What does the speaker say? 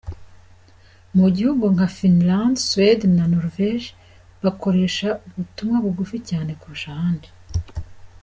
Mu bihugu nka Finland, Suède na Norvège bakoresha ubutumwa bugufi cyane kurusha ahandi.